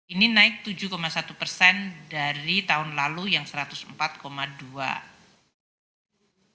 ini naik tujuh satu persen dari tahun lalu yang satu ratus empat dua persen